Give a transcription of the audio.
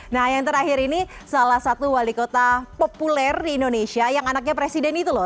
nah yang terakhir ini salah satu wali kota populer di indonesia yang anaknya presiden itu loh